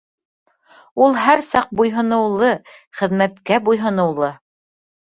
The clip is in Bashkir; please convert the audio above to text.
Ул һәр саҡ буйһоноулы — хеҙмәткә буйһоноулы.